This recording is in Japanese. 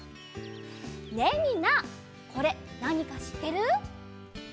ねえみんなこれなにかしってる？